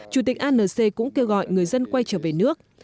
chủ tịch anc cũng kêu gọi người dân quay trở về nước